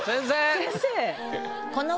先生。